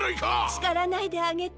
しからないであげて。